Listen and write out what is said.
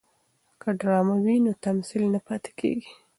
که ډرامه وي نو تمثیل نه پاتې کیږي.